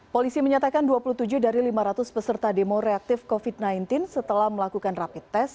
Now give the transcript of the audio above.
polisi menyatakan dua puluh tujuh dari lima ratus peserta demo reaktif covid sembilan belas setelah melakukan rapid test